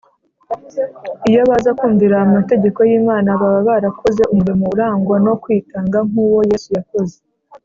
iyo baza kumvira amategeko y’imana, baba barakoze umurimo urangwa no kwitanga nk’uwo yesu yakoze